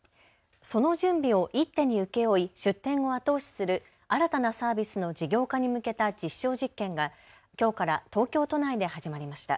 その準備を一手に請け負い出店を後押しする新たなサービスの事業化に向けた実証実験がきょうから東京都内で始まりました。